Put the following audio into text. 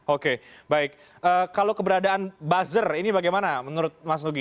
oke baik kalau keberadaan buzzer ini bagaimana menurut mas nugi